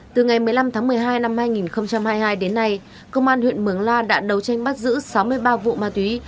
từ ngày một mươi năm tháng một mươi hai năm hai nghìn hai mươi hai đến nay công an huyện mường la đã đầu tranh bắt giữ sáu mươi ba vụ ma túy